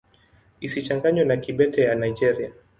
Isichanganywe na Kibete ya Nigeria.